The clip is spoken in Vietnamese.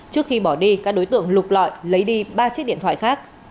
trước khi bỏ đi các đối tượng lục lọi lấy đi ba chiếc điện thoại khác